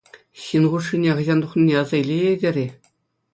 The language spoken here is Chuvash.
Ҫын хушшине хӑҫан тухнине аса илеетӗр-и?